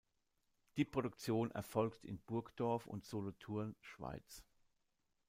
Die Produktion erfolgt in Burgdorf und Solothurn, Schweiz.